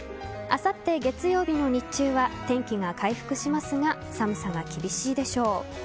あさって月曜日の日中は天気が回復しますが寒さが厳しいでしょう。